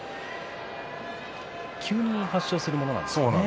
急に発症するものなんですよね。